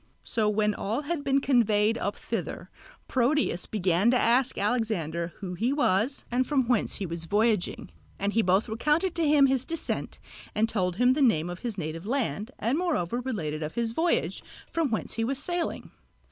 So when all had been conveyed up thither, Proteus began to ask Alexander who he was and from whence he was voyaging; and he both recounted to him his descent and told him the name of his native land, and moreover related of his voyage, from whence he was sailing.